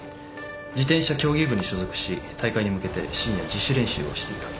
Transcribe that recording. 自転車競技部に所属し大会に向けて深夜自主練習をしていた。